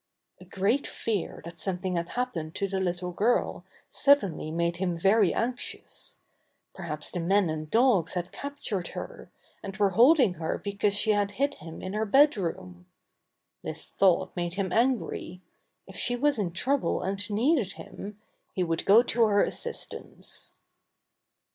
A great fear that something had happened to the little girl suddenly made him very anx ious. Perhaps the men and dogs had cap tured her, and were holding her because she 116 Buster the Bear had hid him in her bed room. This thought made him angry. If she was in trouble and needed him, he would go to her assistance.